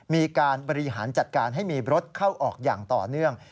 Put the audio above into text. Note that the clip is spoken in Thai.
มีการบริหารจัดการให้มีรถเข้าออกอย่างต่อเนื่อง